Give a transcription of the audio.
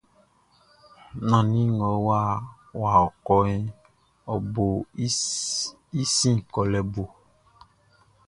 Nannin ngʼɔ́ wá kɔ́ʼn, ɔ bo i sin kɔlɛ bo.